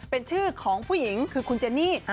เป็นชื่อของผู้หญิงคือคุณเจนี่